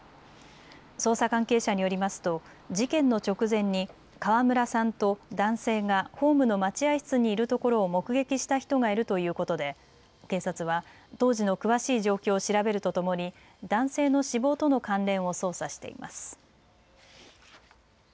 捜査関係者によりますと事件の直前に川村さんと男性がホームの待合室にいるところを目撃した人がいるということで警察は当時の詳しい状況を調べるとともに男性の死亡との関連を捜査しています。